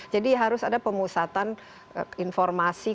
harus ada pemusatan informasi